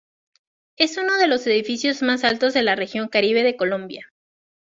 Es uno de los edificio más altos de la Región Caribe de Colombia.